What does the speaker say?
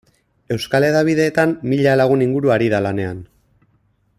Euskal hedabideetan mila lagun inguru ari da lanean.